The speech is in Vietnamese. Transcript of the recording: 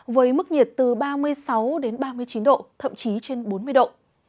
với mức nhiệt từ ba mươi sáu đến ba mươi chín độ thậm chí trên bốn mươi độ